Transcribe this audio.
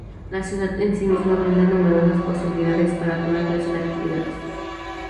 La ciudad en sí misma brinda numerosas posibilidades para toda clase de actividades.